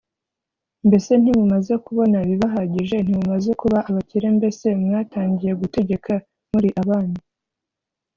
mbese ntimumaze kubona ibibahagije ntimumaze kuba abakire mbese mwatangiye gutegeka muri abami